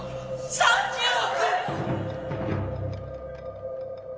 ３０億！